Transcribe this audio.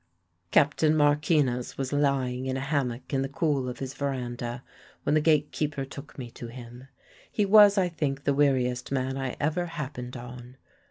"Captain Marquinez was lying in a hammock in the cool of his verandah when the gate keeper took me to him. He was, I think, the weariest man I ever happened on.